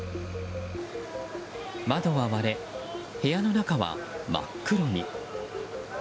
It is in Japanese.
窓は割れ、部屋の中は真っ黒に。